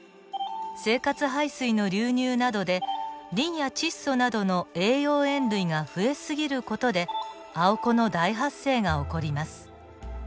生活排水の流入などでリンや窒素などの栄養塩類が増え過ぎる事でアオコの大発生が起こります。